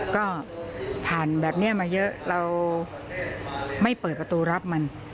ก็ผ่านแบบนี้มาเยอะเราไม่เปิดประตูรับมัน